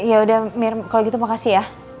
yaudah mir kalau gitu makasih ya